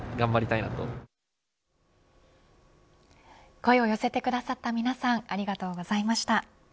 声を寄せてくださった皆さんありがとうございました。